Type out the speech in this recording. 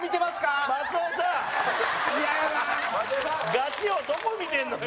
「ガチ王どこ見てるのよ」